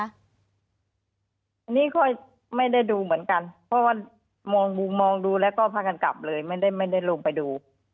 อันนี้ก็ไม่ได้ดูเหมือนกันเพราะว่ามองมุมมองดูแล้วก็พากันกลับเลยไม่ได้ลงไปดู